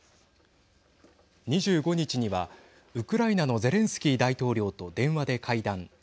２５日にはウクライナのゼレンスキー大統領と電話で会談。